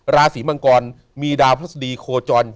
ราศีมังกรมีดาวพระศดีโคจร